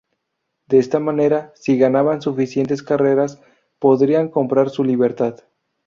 De esta manera, si ganaban suficientes carreras podrían comprar su libertad.